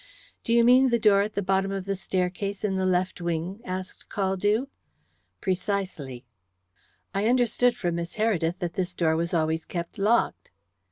"Do you mean the door at the bottom of the staircase in the left wing?" asked Caldew. "Precisely." "I understood from Miss Heredith that this door was always kept locked."